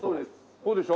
そうでしょ。